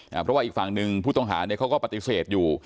เพราะว่าอีกฝั่งหนึ่งผู้ต้องหาเนี่ยเขาก็ปฏิเสธอยู่